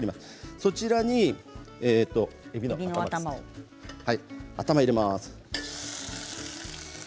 そちらに、えびの頭ですね入れます。